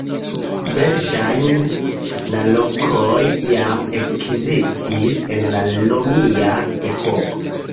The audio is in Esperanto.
Verŝajne la lokoj jam ekzistis en la romia epoko.